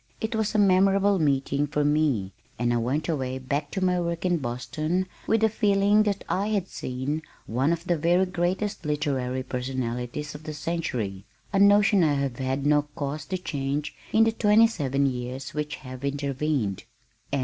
It was a memorable meeting for me and I went away back to my work in Boston with a feeling that I had seen one of the very greatest literary personalities of the century, a notion I have had no cause to change in the twenty seven years which have intervened.